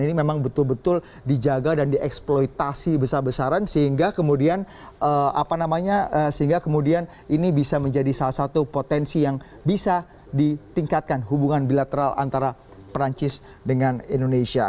ini memang betul betul dijaga dan dieksploitasi besar besaran sehingga kemudian apa namanya sehingga kemudian ini bisa menjadi salah satu potensi yang bisa ditingkatkan hubungan bilateral antara perancis dengan indonesia